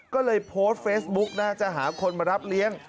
ก็เลยโพสต์เฟซบุ๊กนะจะหาคนมารับเลี้ยง